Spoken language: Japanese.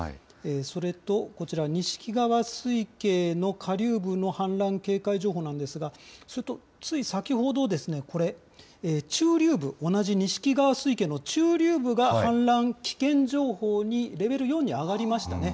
それとこちら、錦川水系の下流部の氾濫警戒情報なんですが、つい先ほどこれ、中流部、同じ錦川水系の中流部が氾濫危険情報に、レベル４に上がりましたね。